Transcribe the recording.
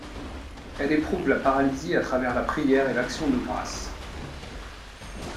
Elle éprouve la paralysie à travers la prière et l'action de grâce.